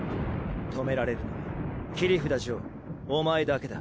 止められるのは切札ジョーお前だけだ。